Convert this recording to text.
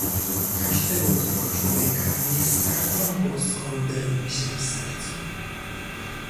"Każdy ruch tego człowieka niestartą głoską wyrył mi się w sercu."